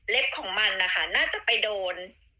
เล็บของมันน่าจะไปโดน